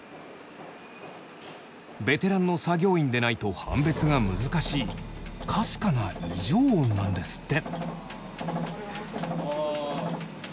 ベテランの作業員でないと判別が難しいかすかな異常音なんですって。